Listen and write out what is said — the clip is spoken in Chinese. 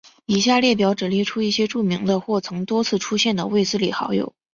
以下列表只列出一些著名的或曾多次出现的卫斯理好友。